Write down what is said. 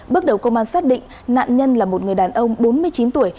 bước đầu công an xác định nạn nhân là một người đàn ông bốn mươi chín tuổi